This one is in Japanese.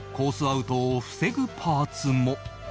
アウトを防ぐパーツも